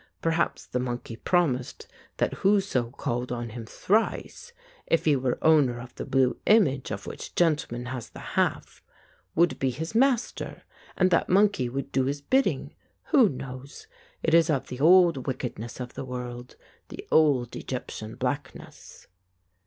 Perhaps the monkey promised that whoso called on him thrice, if he were owner of the blue image of which gentle man has the half, would be his master, and that monkey would do his bidding. Who knows? It is of the old wickedness of the world, the old Egyptian blackness."